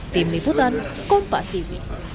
tim liputan kompas tv